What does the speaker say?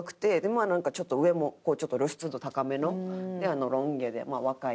まあなんかちょっと上も露出度高めのロン毛で若い感じの。